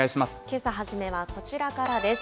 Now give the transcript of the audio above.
けさ初めはこちらからです。